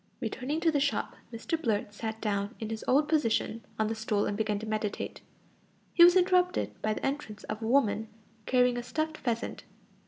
Returning to the shop, Mr Blurt sat down in his old position on the stool and began to meditate. He was interrupted by the entrance of a woman carrying a stuffed pheasant.